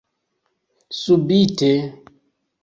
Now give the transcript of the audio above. Subite.